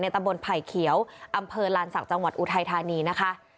ตำบลไผ่เขียวอำเภอลานศักดิ์จังหวัดอุทัยธานีนะคะ